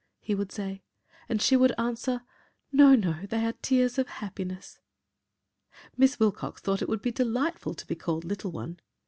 he would say, and she would answer, "No, no, they are tears of happiness." Miss Wilcox thought it would be delightful to be called "little one."